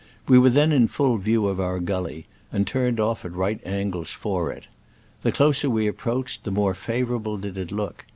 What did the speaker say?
We were then in full view of our gully, and turned off at right angles for it. The closer we ap proached the more favorable did it look.